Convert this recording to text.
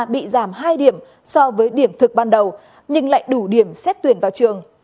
bị giảm hai điểm so với điểm thực ban đầu nhưng lại đủ điểm xét tuyển vào trường